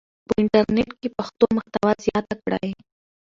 په انټرنیټ کې پښتو محتوا زیاته کړئ.